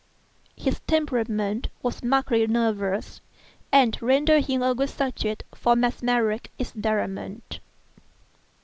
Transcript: His temperament was markedly nervous, and rendered him a good subject for mesmeric experiment.